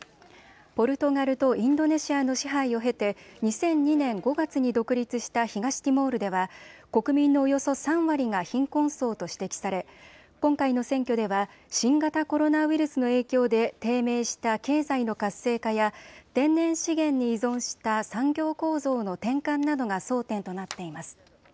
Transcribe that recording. ポルトガルとインドネシアの支配を経て２００２年５月に独立した東ティモールでは国民のおよそ３割が貧困層と指摘され今回の選挙では新型コロナウイルスの影響で低迷した経済の活性化や天然資源に依存した産業構造の転換などが争点となっています。